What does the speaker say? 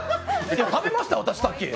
食べましたよ、私、さっき。